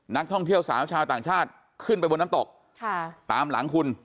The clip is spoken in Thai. นักท่องเที่ยวสาวชาวต่างชาติขึ้นไปบนน้ำตกตามหลังคุณ